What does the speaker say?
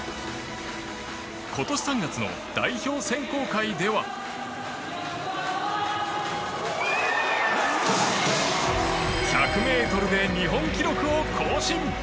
今年３月の代表選考会では１００ｍで日本記録を更新。